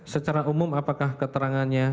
secara umum apakah keterangannya